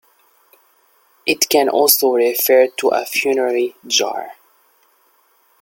It can also refer to a funerary jar.